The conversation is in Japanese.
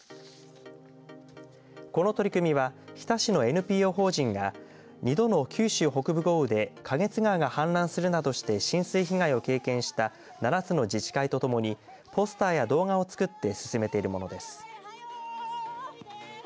この取り組みは日田市のＮＰＯ法人が２度の九州北部豪雨で花月川が氾濫するなどして浸水被害を経験した７つの自治体とともにポスターや動画をつくって進めているものです。